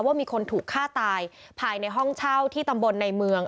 ว่ามีคนถูกฆ่าตายภายในห้องเช่าที่ตำบลในเมือง